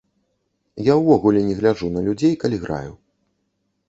Я увогуле не гляджу на людзей, калі граю.